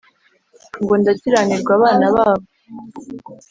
ngo ndakiranirwa abana babo